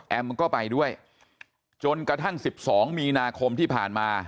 ก็ไปด้วยจนกระทั่ง๑๒มีนาคมที่ผ่านมา